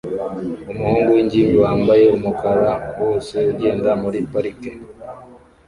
Umuhungu wingimbi wambaye umukara wose ugenda muri parike